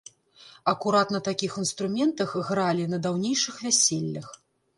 Акурат на такіх інструментах гралі на даўнейшых вяселлях.